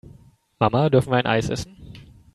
Mama, dürfen wir ein Eis essen?